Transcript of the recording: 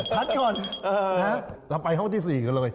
พักก่อนเราไปห้องที่๔กันเลย